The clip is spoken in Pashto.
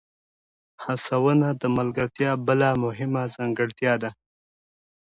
هڅونه د ملګرتیا بله مهمه ځانګړتیا ده.